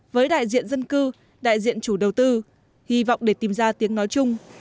với đại diện dân cư đại diện chủ đầu tư hy vọng để tìm ra tiếng nói chung